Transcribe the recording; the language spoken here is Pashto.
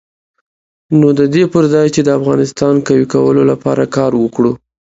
نو د دې پر ځای چې د افغانستان قوي کولو لپاره کار وکړو.